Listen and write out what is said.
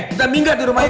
kita minggat di rumah ini